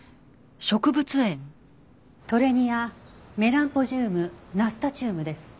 トレニアメランポジュームナスタチュームです。